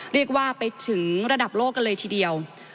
เรียกว่าไปถึงระดับโลกกันเลยทีเดียว